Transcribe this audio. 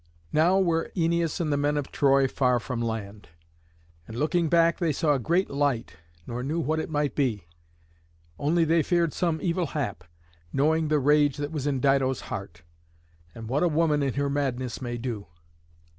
Now were Æneas and the men of Troy far from land. And looking back they saw a great light, nor knew what it might be; only they feared some evil hap, knowing the rage that was in Dido's heart, and what a woman in her madness may do.